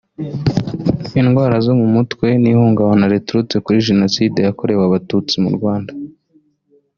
indwara zo mu mutwe n’ihungabana rituruka kuri Jenoside yakorewe abatutsi mu Rwanda